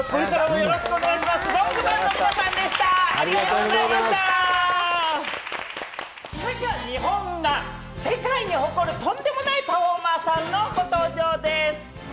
続いては日本が世界に誇る、とんでもないパフォーマーさんのご登場です。